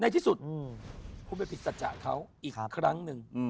ในที่สุดคุณไปผิดสัจจะเขาอีกครั้งหนึ่ง